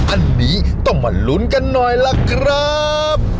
อันนี้ต้องมาลุ้นกันหน่อยล่ะครับ